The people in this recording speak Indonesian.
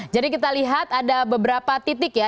jadi kita lihat ada beberapa titik ya